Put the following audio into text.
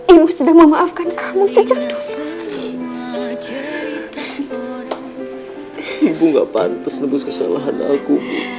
ibu gak pantas nebus kesalahan aku